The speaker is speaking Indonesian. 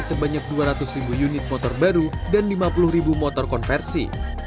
sebanyak dua ratus ribu unit motor baru dan lima puluh ribu motor konversi